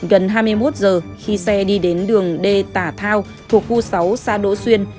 gần hai mươi một h khi xe đi đến đường d tả thao thuộc khu sáu xa đỗ xuyên